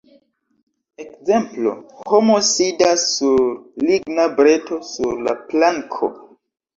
Ekzemplo: Homo sidas sur ligna breto sur la planko.